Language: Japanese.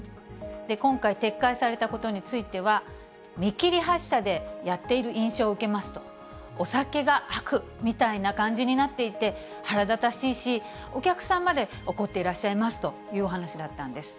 今回、撤回されたことについては、見切り発車でやっている印象を受けますと、お酒が悪みたいな感じになっていて、腹立たしいし、お客さんまで怒っていらっしゃいますというお話だったんです。